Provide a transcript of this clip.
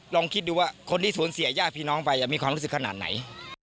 ลองคิดดูว่าคนที่สูญเสียญาติพี่น้องไปมีความรู้สึกขนาดไหน